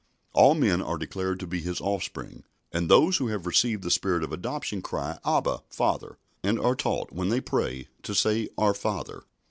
All men are declared to be His offspring, and those who have received the Spirit of adoption cry, "Abba, Father," and are taught, when they pray, to say, "Our Father."